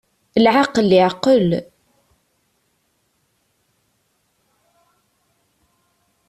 Lɛaqel iɛqel.